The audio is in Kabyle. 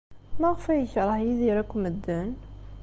Maɣef ay yekṛeh Yidir akk medden?